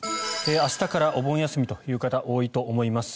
明日からお盆休みという方多いと思います。